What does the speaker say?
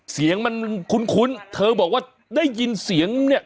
เสียงมันคุ้นเธอบอกว่าได้ยินเสียงเนี่ย